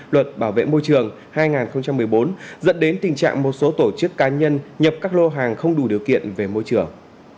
luật bảo vệ môi trường hai nghìn một mươi bốn dẫn đến tình trạng một số tổ chức cá nhân nhập các lô hàng không đủ điều kiện về môi trường